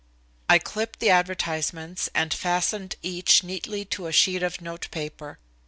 I clipped the advertisements and fastened each neatly to a sheet of notepaper.